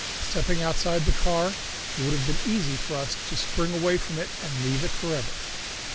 Stepping outside the car, it would have been easy for us to spring away from it and leave it forever.